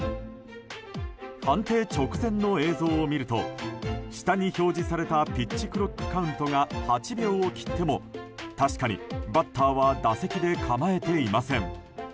判定直前の映像を見ると下に表示されたピッチクロックカウントが８秒を切っても確かにバッターは打席で構えていません。